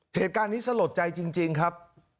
เหตุการณ์นี้สะหรับใจจริงจริงครับ